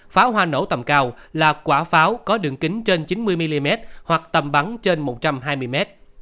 pháo hoa nổ tầm cao là quả pháo có đường kính trên chín mươi mm hoặc tầm bắn trên một trăm hai mươi mét